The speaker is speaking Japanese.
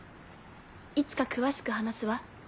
いつか詳しく話すわ。